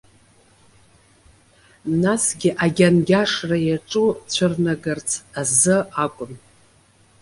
Насгьы агьангьашра иаҿу цәырнагарц азы акәын.